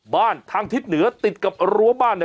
บ้านทางทิศเหนือติดกับรั้วบ้าน